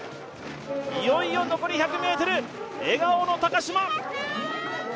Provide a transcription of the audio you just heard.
いよいよ残り１００ｍ、笑顔の高島。